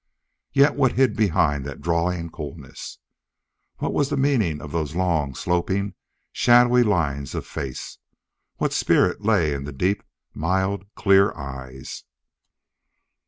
Yet what hid behind that drawling coolness? What was the meaning of those long, sloping, shadowy lines of the face? What spirit lay in the deep, mild, clear eyes?